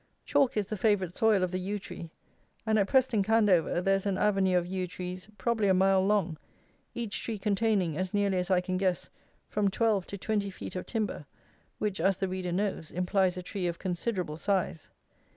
Chalk is the favourite soil of the yew tree; and at Preston Candover there is an avenue of yew trees, probably a mile long, each tree containing, as nearly as I can guess, from twelve to twenty feet of timber, which, as the reader knows, implies a tree of considerable size.